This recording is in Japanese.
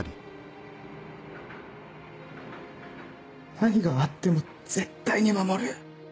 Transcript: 何があっても絶対に守る。